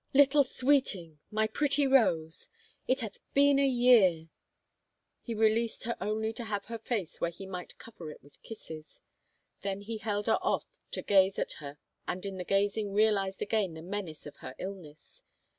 " Lit tie Sweeting — my pretty rose. ... It hath been a year —" He released her only to have her face where he might cover it with kisses. Then he held her off to gaze at her and in the gazing realized again the menace of her illness.